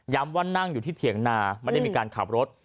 ว่านั่งอยู่ที่เถียงนาไม่ได้มีการขับรถ